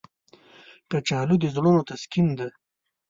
کچالو د زړونو تسکین دی